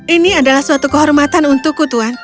ini adalah suatu kehormatan untukku tuhan